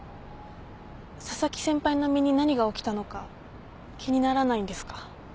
紗崎先輩の身に何が起きたのか気にならないんですか？